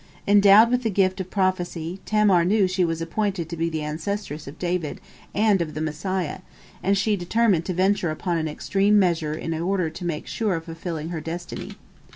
Endowed with the gift of prophecy, Tamar knew that she was appointed to be the ancestress of David and of the Messiah, and she determined to venture upon an extreme measure in order to make sure of fulfilling her destiny.